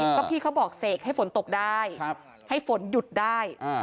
ก็พี่เขาบอกเสกให้ฝนตกได้ให้ฝนหยุดได้